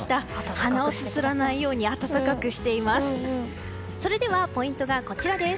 鼻をすすらないように温かくしています。